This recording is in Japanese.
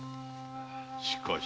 しかし。